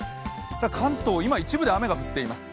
関東、今、一部で雨が降っています。